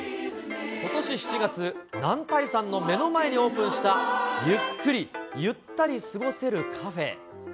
ことし７月、男体山の目の前にオープンした、ゆっくりゆったり過ごせるカフェ。